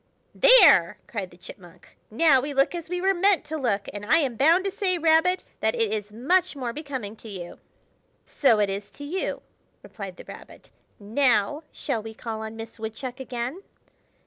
"There!" cried the Chipmunk. "Now we look as we were meant to look; and I am bound to say, Rabbit, that it is much more becoming to you." "So it is to you!" replied the Rabbit. "Now shall we call on Miss Woodchuck again?"